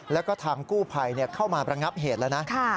แล้วก็ทางกู้ภัยเข้ามาประงับเหตุแล้วนะ